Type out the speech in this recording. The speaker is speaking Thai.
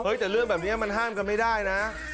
แต่เรื่องแบบนี้มันห้ามกันไม่ได้นะ